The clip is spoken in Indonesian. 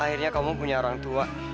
akhirnya kamu punya orang tua